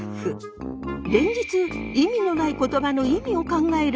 連日意味のない言葉の意味を考える